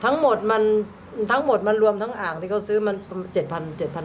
ทั้งหมดมันทั้งหมดมันรวมทั้งอ่างที่เขาซื้อมัน๗๐๐๗๐๐